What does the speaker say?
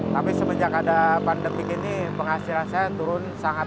tapi semenjak ada pandemi ini penghasilan saya turun sangat